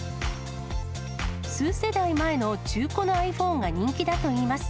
数世代前の中古のｉＰｈｏｎｅが人気だといいます。